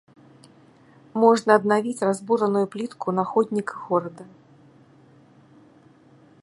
Можна аднавіць разбураную плітку на ходніках горада.